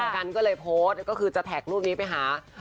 กันก็เลยโพสต์ก็คือจะแท็กรูปนี้ไปหา